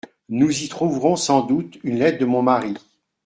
Nous y trouverons sans doute une lettre de mon mari.